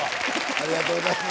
ありがとうございます。